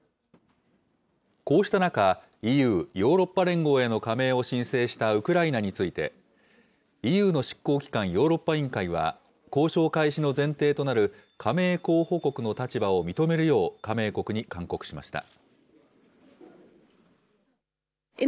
こうした中、ＥＵ・ヨーロッパ連合への加盟を申請したウクライナについて、ＥＵの執行機関、ヨーロッパ委員会は、交渉開始の前提となる加盟候補国の立場を認めるよう、加盟国に勧告しました。